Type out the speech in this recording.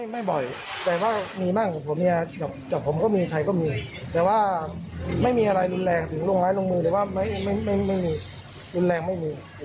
ไม่บ่อยแต่ว่ามีบ้างของผมเนี่ยกับผมก็มีใครก็มีแต่ว่าไม่มีอะไรรุนแรงถึงลงไม้ลงมือแต่ว่าไม่รุนแรงไม่มี